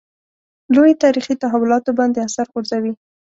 لویو تاریخي تحولاتو باندې اثر غورځوي.